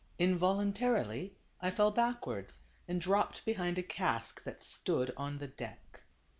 Involuntarily I fell backwards, and dropped be hind a cask that stood on the deck.